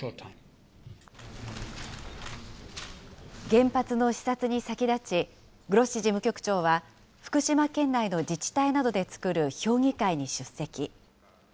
原発の視察に先立ち、グロッシ事務局長は、福島県内の自治体などで作る評議会に出席。